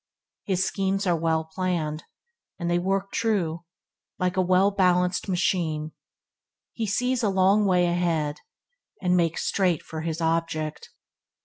His schemes are well planned, and they work true, like a well balanced machine. He sees a long way ahead, and makes straight for his object.